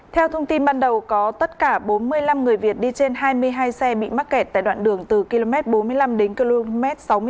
theo thông tin ban đầu có tất cả bốn mươi năm người việt đi trên hai mươi hai xe bị mắc kẹt tại đoạn đường từ km bốn mươi năm đến km sáu mươi sáu